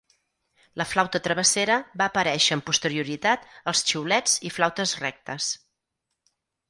La flauta travessera va aparèixer amb posterioritat als xiulets i flautes rectes.